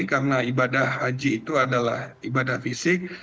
karena ibadah haji itu adalah ibadah fisik